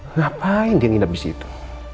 ngapain dia nginep disitu